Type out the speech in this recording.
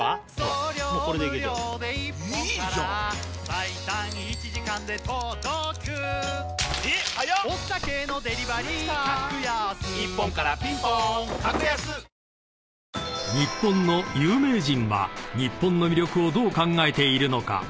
最高の渇きにＤＲＹ［日本の有名人は日本の魅力をどう考えているのか？］